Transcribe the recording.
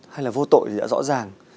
hay là vô tội thì đã rõ ràng